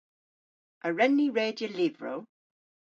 A wren ni redya lyvrow?